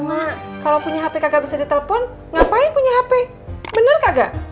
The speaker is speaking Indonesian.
mak kalau punya hp kakak bisa ditelepon ngapain punya hp benar kagak